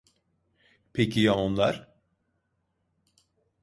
Peki ya onlar?